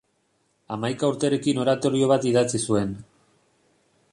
Hamaika urterekin oratorio bat idatzi zuen.